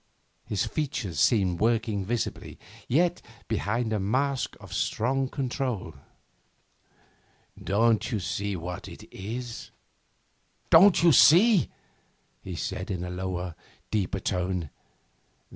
His features seemed working visibly, yet behind a mask of strong control. 'Don't you see what it is? Don't you see?' he said in a lower, deeper tone.